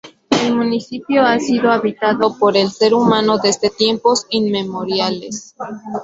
El municipio ha sido habitado por el ser humano desde tiempos inmemoriales.